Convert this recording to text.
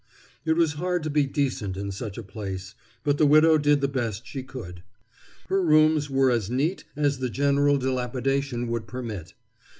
It was hard to be decent in such a place, but the widow did the best she could. Her rooms were as neat as the general dilapidation would permit.